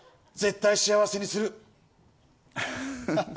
絶対幸せにする！